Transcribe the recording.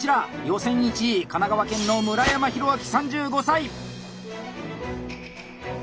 予選１位神奈川県の村山弘朗３５歳！